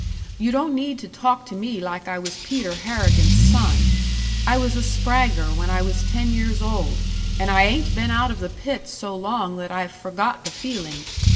You don't need to talk to me like I was Peter Harrigan's son. I was a spragger when I was ten years old, and I ain't been out of the pits so long that I've forgot the feeling.